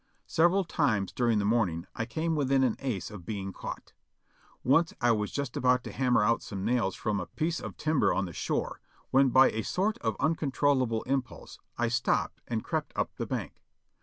Several times during the morning I came within an ace of being caught. Once I was just about to hammer out some nails from a piece of timber on the shore, when by a sort of uncontrollable impulse I stopped and crept up the bank.